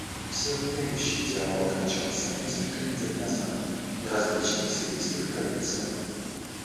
Всеобъемлющий диалог начался несколько недель назад в различных сирийских провинциях.